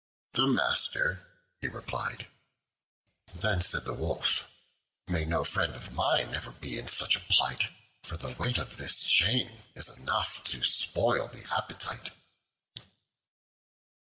"The master," he replied. Then said the Wolf: "May no friend of mine ever be in such a plight; for the weight of this chain is enough to spoil the appetite."